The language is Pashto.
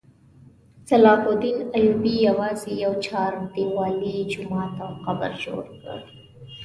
صلاح الدین ایوبي یوازې یوه چاردیوالي، جومات او قبر جوړ کړ.